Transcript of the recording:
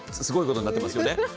すごい事になってますよね。